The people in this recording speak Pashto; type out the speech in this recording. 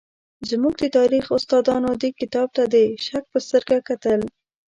زموږ د تاریخ استادانو دې کتاب ته د شک په سترګه کتل.